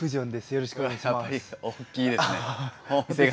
よろしくお願いします。